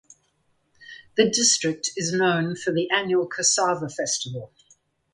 The district is known for the annual Cassava Festival.